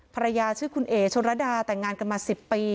ภรรยาชื่อคุณเอ๋ชนระดาแต่งงานกันมา๑๐ปี